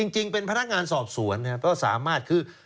จริงเป็นพนักงานสอบสวนก็สามารถคือ